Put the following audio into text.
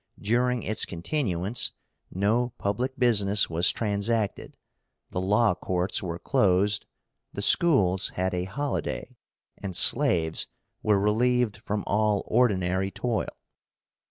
During its continuance no public business was transacted, the law courts were closed, the schools had a holiday, and slaves were relieved from all ordinary toil.